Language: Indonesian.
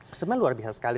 sebenarnya luar biasa sekali